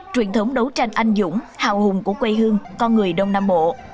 truyền thống đấu tranh anh dũng hào hùng của quê hương con người đông nam bộ